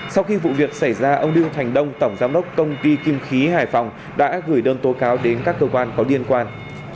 sau khi vụ việc xảy ra ông đinh thành đông tổng giám đốc công ty kim khí hải phòng đã gửi đơn tố cáo đến các cơ quan có liên quan